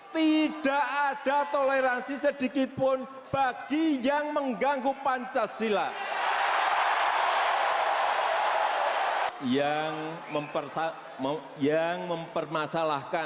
tidak ada toleransi sedikitpun bagi yang mengganggu pancasila